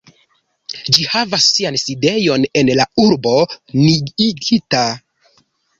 Ĝi havas sian sidejon en la urbo Niigata, ĉefurbo de la samnoma gubernio Niigata.